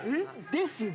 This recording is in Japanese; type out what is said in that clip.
「ですが」